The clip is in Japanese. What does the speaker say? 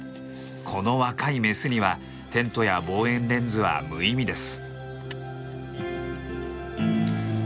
この若いメスにはテントや望遠レンズは無意味です。